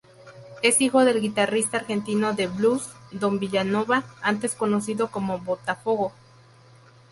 Es hijo del guitarrista argentino de blues, Don Vilanova antes conocido como "Botafogo".